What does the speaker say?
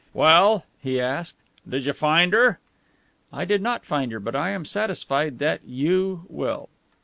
"Well?" he asked, "did you find her?" "I did not find her, but I am satisfied that you will."